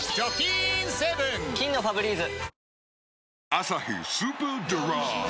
「アサヒスーパードライ」